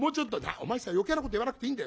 「お前さん余計なこと言わなくていいんだよ。